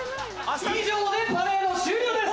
以上でパレード終了です！